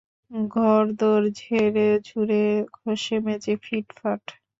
ঘরদোর ঝেড়েঝুড়ে, ঘষেমেজে ফিটফাট।